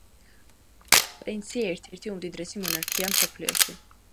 პრინცი ერთ-ერთი უმდიდრესი მონარქია მსოფლიოში.